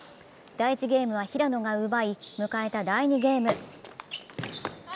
第１ゲームは平野が奪い迎えた第２ゲーム。